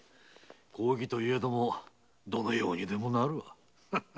公儀といえどもどのようにでもなる。